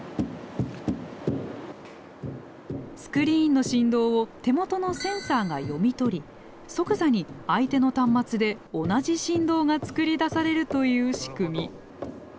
スクリーンの振動を手元のセンサーが読み取り即座に相手の端末で同じ振動が作り出されるという仕組み。